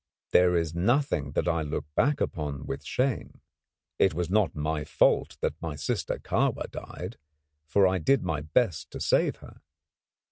There is nothing that I look back upon with shame. It was not my fault that my sister Kahwa died; for I did my best to save her.